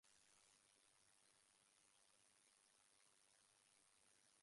He is best known as Cliff Clavin in "Cheers".